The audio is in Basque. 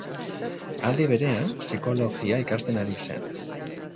Aldi berean, Psikologia ikasten ari zen.